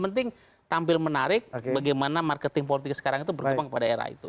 mending tampil menarik bagaimana marketing politik sekarang itu bergumpa pada era itu